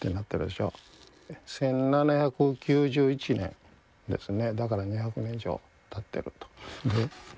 １７９１年ですねだから２００年以上たってると。